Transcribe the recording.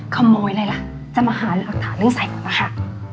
ขโมยอะไรล่ะจะมาหาหลักฐานเรื่องใส่ก่อนนะคะ